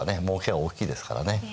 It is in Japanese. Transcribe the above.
もうけが大きいですからね。